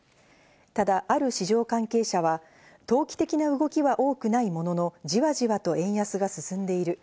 ただある市場関係者は、投機的な動きは多くないものの、じわじわと円安が進んでいる。